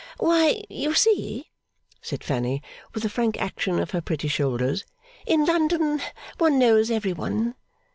'Why, you see,' said Fanny, with a frank action of her pretty shoulders, 'in London one knows every one.